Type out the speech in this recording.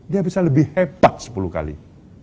dia bisa lebih hebat sepuluh kali